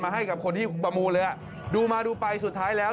ให้กับคนที่ประมูลเลยอ่ะดูมาดูไปสุดท้ายแล้ว